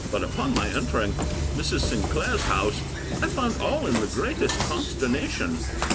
But, upon my entering Mrs. Sinclair's house, I found all in the greatest consternation.